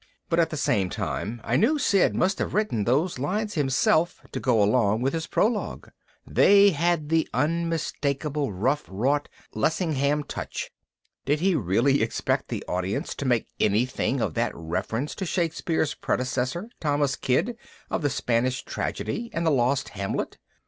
But at the same time I knew Sid must have written those lines himself to go along with his prologue. They had the unmistakable rough wrought Lessingham touch. Did he really expect the audience to make anything of that reference to Shakespeare's predecessor Thomas Kyd of The Spanish Tragedy and the lost Hamlet?